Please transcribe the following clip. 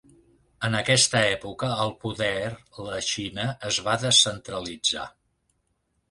En aquesta època, el poder la Xina es va descentralitzar.